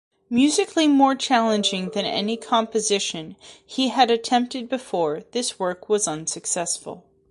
Musically more challenging than any composition he had attempted before, this work was unsuccessful.